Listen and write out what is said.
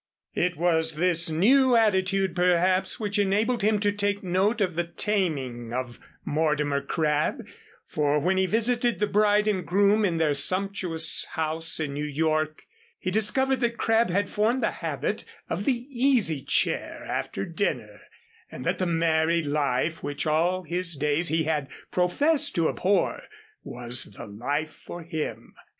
It was this new attitude perhaps which enabled him to take note of the taming of Mortimer Crabb, for when he visited the bride and groom in their sumptuous house in New York, he discovered that Crabb had formed the habit of the easy chair after dinner, and that the married life, which all his days he had professed to abhor, was the life for him.